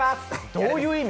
どういう意味？